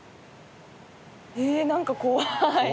えぇー何か怖い。